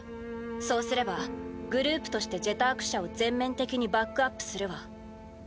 そうすればグループとして「ジェターク社」を全面的にバックアップするわ。